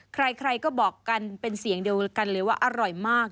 ใครก็บอกกันเป็นเสียงเดียวกันเลยว่าอร่อยมาก